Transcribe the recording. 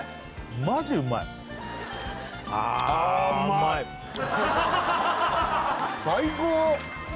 マジうまい最高！